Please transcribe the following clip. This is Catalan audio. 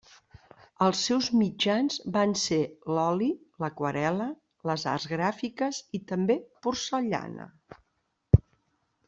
Els seus mitjans van ser l'oli, l'aquarel·la, les arts gràfiques i també porcellana.